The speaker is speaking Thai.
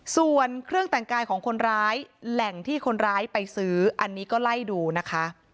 ส่วนเครื่องแต่งกายของคนร้ายแหล่งที่คนร้ายไปซื้ออันนี้ก็ไล่ดูนะคะ